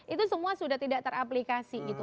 itu semua sudah tidak teraplikasi gitu